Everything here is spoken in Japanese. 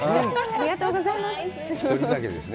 ありがとうございます。